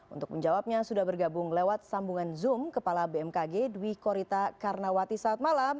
untuk menjawabnya sudah bergabung lewat sambungan zoom kepala bmkg dwi korita karnawati saat malam